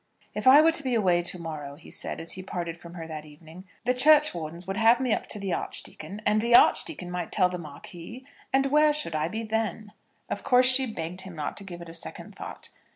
"If I were to be away to morrow," he said, as he parted from her that evening, "the churchwardens would have me up to the archdeacon, and the archdeacon might tell the Marquis, and where should I be then?" Of course she begged him not to give it a second thought.